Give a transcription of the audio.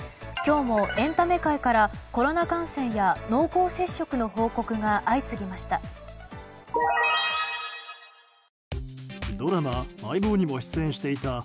今日もエンタメ界からコロナ感染や濃厚接触の報告が相次ぎました。